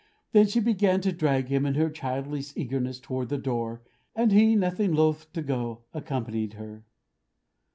Then she began to drag him, in her childish eagerness, toward the door; and he, nothing loth to go, accompanied her.